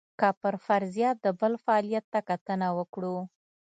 که پر فرضیه د بل فعالیت ته کتنه وکړو.